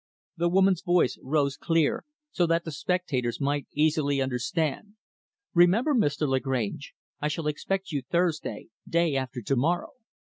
The woman's voice rose clear so that the spectators might easily understand "Remember, Mr. Lagrange I shall expect you Thursday day after to morrow."